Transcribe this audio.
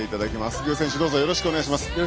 具選手、どうぞよろしくお願いします。